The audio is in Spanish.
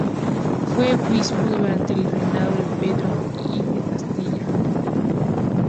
Fue obispo durante el reinado de Pedro I de Castilla.